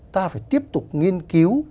ta phải tiếp tục nghiên cứu